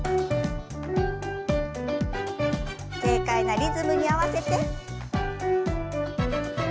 軽快なリズムに合わせて。